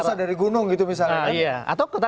susah susah dari gunung gitu misalnya kan